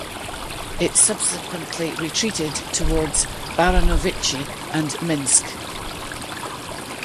It subsequently retreated towards Baranovichi and Minsk.